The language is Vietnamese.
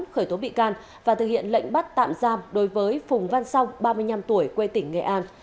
khởi tố bị can và thực hiện lệnh bắt tạm giam đối với phùng văn song ba mươi năm tuổi quê tỉnh nghệ an